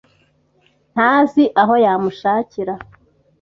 Ntazi aho yamushakira.